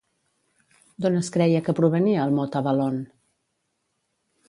D'on es creia que provenia el mot Avalon?